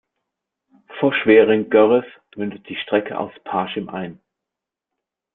Vor Schwerin-Görries mündet die Strecke aus Parchim ein.